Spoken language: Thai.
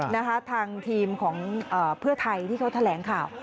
นะคะทางทีมของเพื่อไทยที่เขาแถลงข่าว